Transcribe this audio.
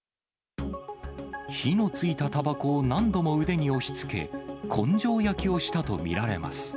火のついたたばこを何度も腕に押しつけ、根性焼きをしたと見られます。